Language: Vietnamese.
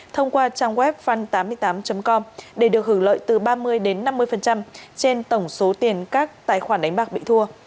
thông qua trang web fund tám mươi tám com để được hưởng lợi từ ba mươi đến năm mươi trên tổng số tiền các tài khoản đánh bạc bị thua